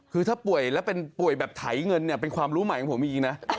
คือถ้าป่วยแล้วเป็นป่วยแบบไถเงินเนี่ยเป็นความรู้ใหม่ของผมจริงนะ